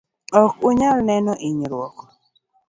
okunyal neno hinyruok.